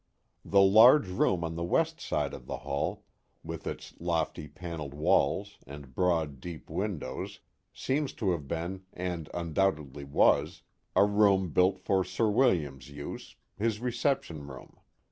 The large, room on the west side of the hall, with its lofty panelled walls and broad, deep windows, seems to have been, and undoubtedly was, a room built for Sir William's use, his reception room.